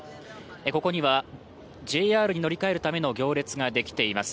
ここにはＪＲに乗り換えるための行列ができています。